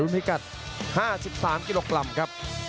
ในรุ่นพิกัด๕๓กิโลกรัมครับ